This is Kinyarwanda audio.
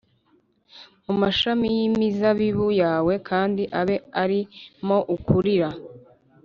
mumashami y imizabibu yawe kandi abe ari mo ukurira